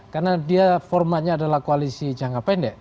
karena dia formatnya adalah koalisi jangka pendek